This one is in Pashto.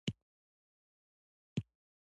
ایا زه باید کالي پریمنځم؟